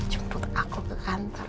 jemput aku ke kantor